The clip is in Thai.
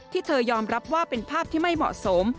เธอยอมรับว่าเป็นภาพที่ไม่เหมาะสม